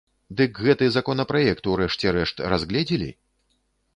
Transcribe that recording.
Дык гэты законапраект у рэшце рэшт разгледзелі?